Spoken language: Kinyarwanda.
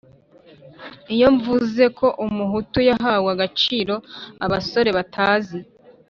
iyo mvuze ko umuhutu yahawe agaciro, abasore batazi